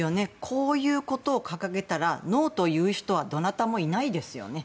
こういうことを掲げたらノーと言う人はどなたもいないですよね。